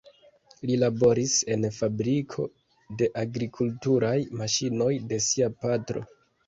Li laboris en fabriko de agrikulturaj maŝinoj de sia patro.